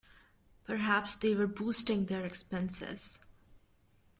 Perhaps they were boosting their expenses.